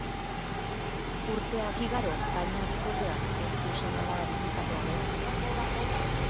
Urteak igaro baina bikoteak ez du seme-alabarik izatea lortzen.